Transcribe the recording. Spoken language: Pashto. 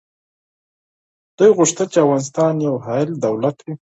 دوی غوښتل چي افغانستان یو حایل دولت وي.